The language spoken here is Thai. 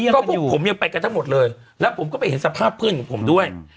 ก็พวกผมยังไปกันทั้งหมดเลยแล้วผมก็ไปเห็นสภาพเพื่อนของผมด้วย